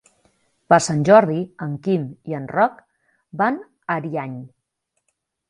Per Sant Jordi en Quim i en Roc van a Ariany.